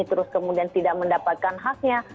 terus kemudian tidak mendapatkan haknya